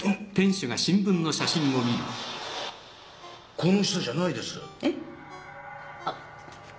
この人じゃないです。えっ？あっ。